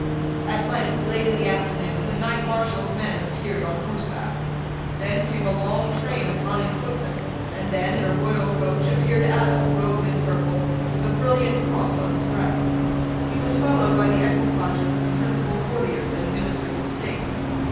At length, late in the afternoon, the Knight Marshal's men appeared on horseback. Then came a long train of running footmen; and then, in a royal coach, appeared Adda, robed in purple, with a brilliant cross on his breast. He was followed by the equipages of the principal courtiers and ministers of state.